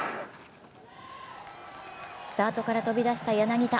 スタートから飛び出した柳田。